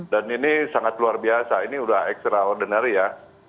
dan ini sangat luar biasa ini sudah extraordinary ya